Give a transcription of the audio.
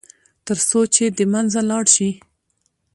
تر څو چې د منځه لاړ شي.